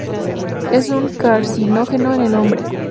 Es un carcinógeno en el hombre.